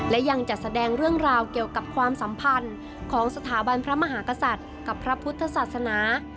และยังจัดแสดงเรื่องราวเกี่ยวกับความสัมพันธ์ของสถาบันพระมหากษัตริย์กับพระพุทธศาสนา